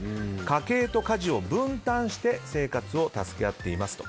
家計と家事を分担して生活を助け合っていますと。